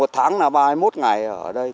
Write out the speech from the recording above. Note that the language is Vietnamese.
một tháng là ba mươi một ngày ở đây